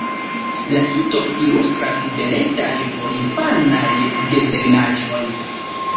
La tuton ilustras beletaj porinfanaj desegnaĵoj.